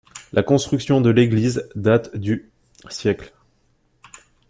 La construction de l'église date du - siècle.